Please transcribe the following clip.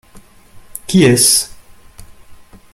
Qui est-ce ?